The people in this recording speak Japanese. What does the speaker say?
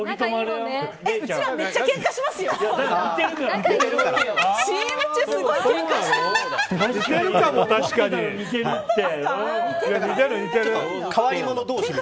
うちらめっちゃけんかしますよ。